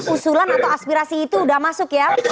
usulan atau aspirasi itu sudah masuk ya